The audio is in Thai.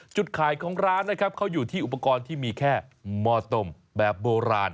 จุดขายของร้านนะครับเขาอยู่ที่อุปกรณ์ที่มีแค่มอตมแบบโบราณ